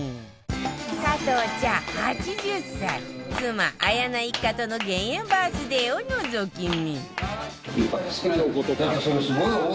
加藤茶８０歳妻綾菜一家との減塩バースデーをのぞき見！